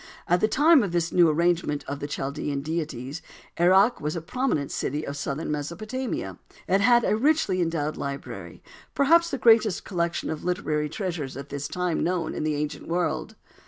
At the time of this new arrangement of the Chaldean deities Erech was a prominent city of southern Mesopotamia. It had a richly endowed library, perhaps the greatest collection of literary treasures at this time known in the ancient world.